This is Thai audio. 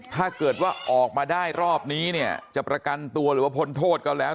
ถ้าเกิดว่าออกมาได้รอบนี้เนี่ยจะประกันตัวหรือว่าพ้นโทษก็แล้ว